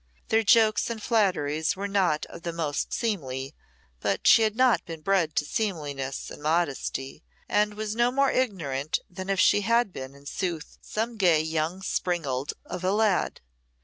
Their jokes and flatteries were not of the most seemly, but she had not been bred to seemliness and modesty, and was no more ignorant than if she had been, in sooth, some gay young springald of a lad.